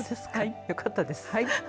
よかったです。